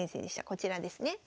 こちらですね。